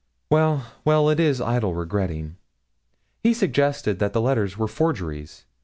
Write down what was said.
Well, well, it is idle regretting. He suggested that the letters were forgeries.